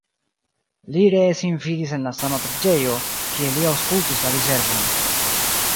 Li ree sin vidis en la sama preĝejo, kie li aŭskultis la diservon.